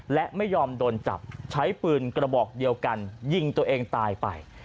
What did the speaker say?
และไม่ยอมโดนจับใช้ปืนกระบอกเดียวกันยิงตัวเองตายไป